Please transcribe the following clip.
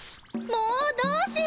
もうどうしよう？